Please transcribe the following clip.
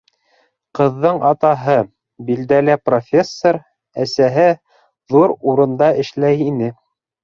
Ҡыҙҙың атаһы - билдәле профессор, әсәһе ҙур урында эшләй ине.